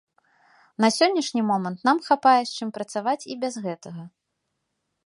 На сённяшні момант нам хапае, з чым працаваць і без гэтага.